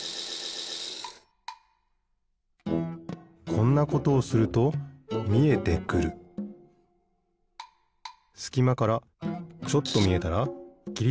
こんなことをするとみえてくるすきまからちょっとみえたらきりとってペタン。